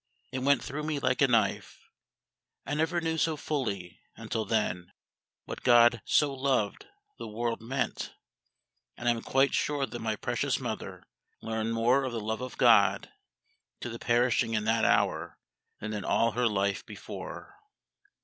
It went through me like a knife. I never knew so fully, until then, what GOD so loved the world meant. And I am quite sure that my precious mother learned more of the love of GOD to the perishing in that hour than in all her life before.